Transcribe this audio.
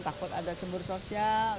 takut ada cemburu sosial